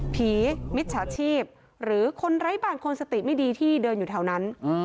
มิจฉาชีพหรือคนไร้บ้านคนสติไม่ดีที่เดินอยู่แถวนั้น